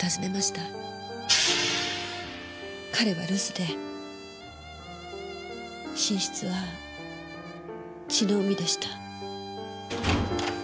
彼は留守で寝室は血の海でした。